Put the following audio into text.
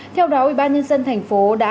theo đó ubnd tp đã